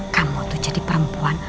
kamu tuh jadi perempuan